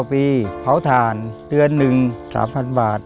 วัน๑๙ปีเผาฐานเดือนหนึ่ง๓๐๐๐บาท